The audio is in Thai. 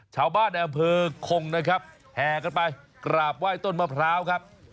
ชาวบ้านในอำเภอคงนะครับแห่กันไปกราบไหว้ต้นมะพร้าวครับ